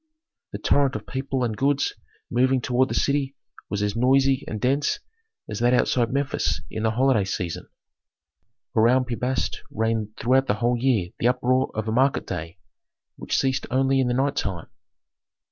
The torrent of people and goods moving toward the city was as noisy and dense as that outside Memphis in the holiday season. Around Pi Bast reigned throughout the whole year the uproar of a market day, which ceased only in the night time.